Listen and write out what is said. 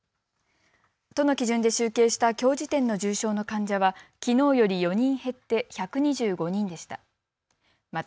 都の基準で集計したきょう時点の重症の患者は、きのうより４人減って１２５人でした。